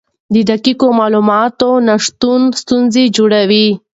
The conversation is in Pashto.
د دقیقو معلوماتو نشتون ستونزې جوړوي.